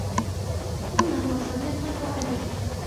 ثُمَّ هُوَ صِدِّيقٌ أَوْ عَدُوٌّ